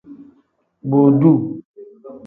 Bodu.